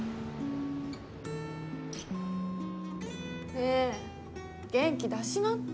ねえ元気出しなって。